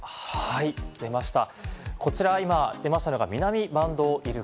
出ました。